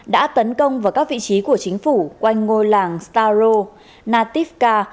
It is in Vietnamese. đã tấn công vào các vị trí của chính phủ quanh ngôi làng staro nativka